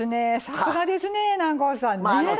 さすがですね南光さんねえ。